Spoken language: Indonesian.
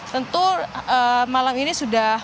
tentu malam ini sudah